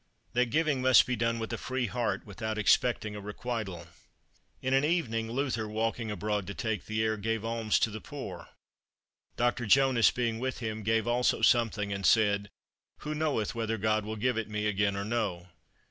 That giving must be done with a free Heart, without expecting a Requital. In an evening, Luther, walking abroad to take the air, gave alms to the poor. Doctor Jonas, being with him, gave also something, and said, "Who knoweth whether God will give it me again or no?"